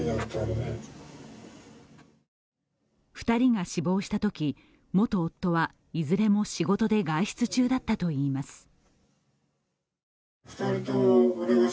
２人が死亡したとき、元夫はいずれも仕事で外出中だったといいます。